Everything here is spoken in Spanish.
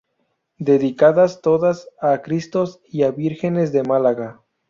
Dedicadas todas a Cristos y Vírgenes de Málaga.